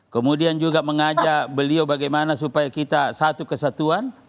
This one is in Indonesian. kemudian juga mengajak beliau bagaimana supaya kita satu kesatuan